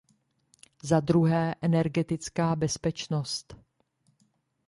Za druhé, energetická bezpečnost.